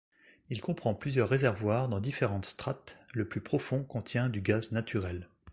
Il comprend plusieurs réservoirs dans différentes strates, le plus profond contient du gaz naturel.